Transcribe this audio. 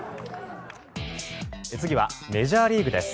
次はメジャーリーグです。